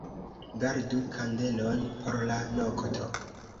Gardu kandelon por la nokto.